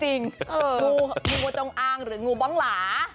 ษัตรินงอกจงอ่างหรืองงูบ้องลา